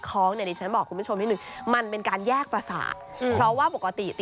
ครับ